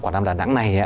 quảng nam đà nẵng này